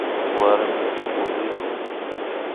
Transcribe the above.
Warmi Tukuyrikuy